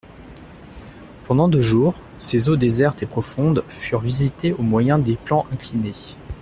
Pendant deux jours, ces eaux désertes et profondes furent visitées au moyen des plans inclinés.